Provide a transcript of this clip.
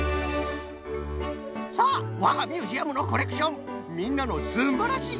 さあわがミュージアムのコレクションみんなのすんばらしい